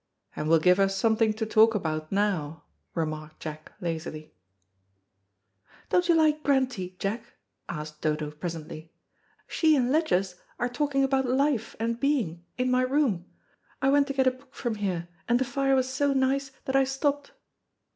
"And will give us something to talk about now," remarked Jack lazily. "Don't you like Grantie, Jack?" asked Dodo presently. "She and Ledgers are talking about life and being in my room. I went to get a book from here, and the fire was so nice that I stopped."